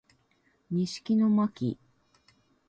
西木野真姫